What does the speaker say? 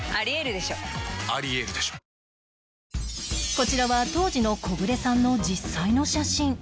こちらは当時のコグレさんの実際の写真